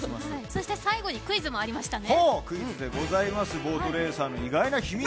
そして最後にクイズがありましたね。